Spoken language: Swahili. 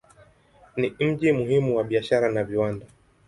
Ni mji muhimu wa biashara na viwanda.